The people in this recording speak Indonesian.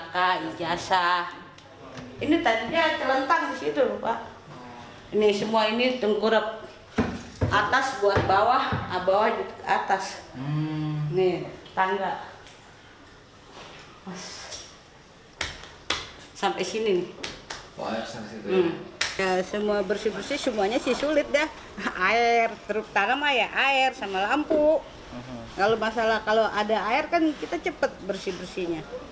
kalau ada air kan kita cepat bersih bersihnya